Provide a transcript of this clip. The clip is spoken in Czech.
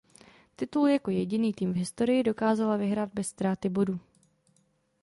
Titul jako jediný tým v historii dokázala vyhrát bez ztráty bodu.